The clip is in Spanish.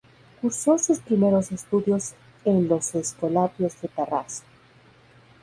Cursó sus primeros estudios en los Escolapios de Tarrasa.